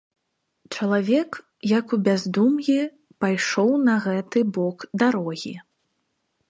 Чалавек, як у бяздум'і, пайшоў на гэты бок дарогі.